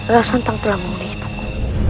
rasantang telah mengundi ibu